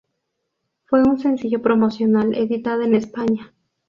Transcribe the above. Fue un sencillo promocional editado en España.